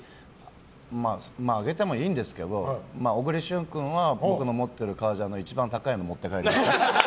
まあ、あげてもいいんですけど小栗旬君は僕の持っている革ジャンの一番高いのを持って帰りました。